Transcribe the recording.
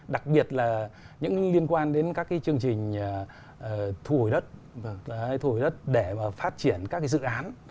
đặc biệt là những liên quan đến các chương trình thu hồi đất để phát triển các dự án